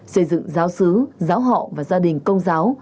xây dựng giáo sứ giáo họ và gia đình công giáo